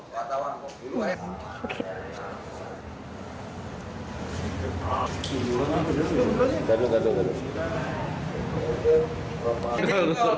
padahal ada keempat orang tewas dan dua orang lepas di dekat perantauan tentang tangan